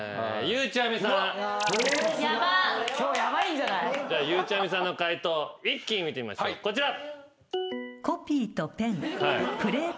ゆうちゃみさんの解答一気に見てみましょうこちら。